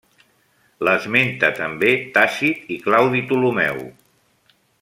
L'esmenta també Tàcit i Claudi Ptolemeu.